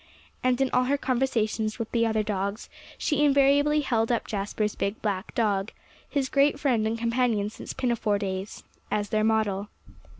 And in all her conversations with the other dogs she invariably held up Jasper's big black dog, his great friend and companion since pinafore days, as their model.